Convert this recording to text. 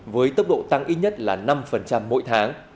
với tốc độ tăng ít nhất là năm mỗi tháng